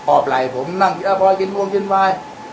อบไหล่ผมนั่งกินอาบอยกินวงกินวาย